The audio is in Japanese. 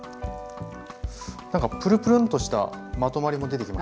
なんかぷるぷるんとしたまとまりも出てきました。